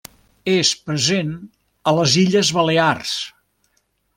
És present a les Illes Balears.